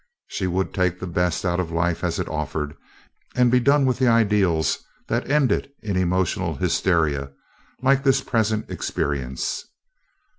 She would take the best out of life as it offered and be done with ideals that ended in emotional hysteria like this present experience.